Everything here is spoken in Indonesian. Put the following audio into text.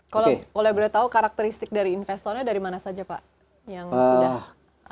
kalau boleh tahu karakteristik dari investornya dari mana saja pak